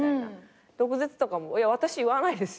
毒舌とかも私言わないですよ。